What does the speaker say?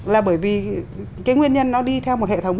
là bởi vì cái nguyên nhân nó đi theo một hệ thống